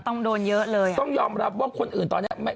ต้องโดนเยอะเลยต้องยอมรับว่าคนอื่นตอนเนี้ยไม่